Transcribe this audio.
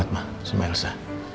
marah banget sama elsa